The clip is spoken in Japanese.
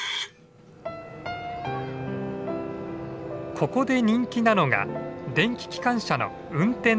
ここで人気なのが電気機関車の運転体験。